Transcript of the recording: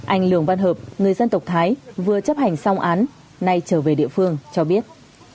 anh lường văn hợp người dân tộc thái vừa chấp hành xong án nay trở về địa phương cho biết